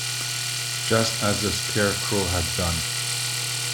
Just as the Scarecrow had done.